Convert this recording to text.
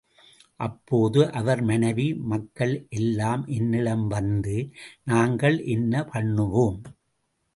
அப்போது அவர் மனைவி மக்கள் எல்லாம் என்னிடம் வந்து, நாங்கள் என்ன பண்ணுவோம்?